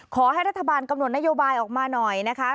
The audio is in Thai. ขอให้รัฐบาลกำหนดนโยบายออกมาหน่อยนะคะ